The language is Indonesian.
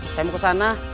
saya mau kesana